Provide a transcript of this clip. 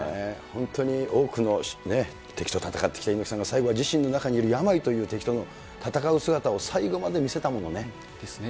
本当に多くの敵と戦ってきた猪木さんが、最後は自身の中にいる病という敵と戦う姿を最後まで見せたものね。ですね。